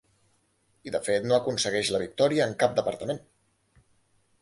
I de fet no aconsegueix la victòria en cap departament.